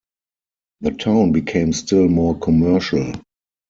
The town became still more commercial.